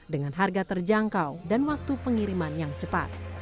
dengan harga terjangkau dan waktu pengiriman yang cepat